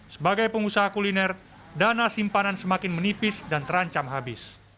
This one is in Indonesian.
sebagai pengusaha kuliner dana simpanan semakin menipis dan terancam habis